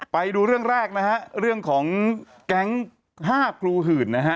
ไปดูเรื่องแรกนะฮะเรื่องของแก๊ง๕ครูหื่นนะฮะ